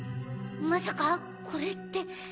まさかこれって。